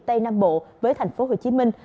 tây nam bộ với thành phố hồ chí minh